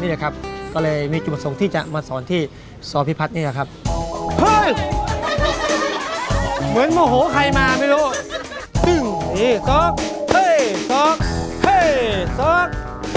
นี่แหละครับก็เลยมีจุดส่งที่จะมาสอนที่ศพิพัฒน์นี่แหละครับ